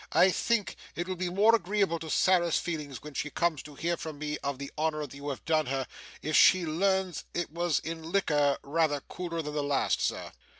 I think it will be more agreeable to Sarah's feelings, when she comes to hear from me of the honour you have done her, if she learns it was in liquor rather cooler than the last, Sir.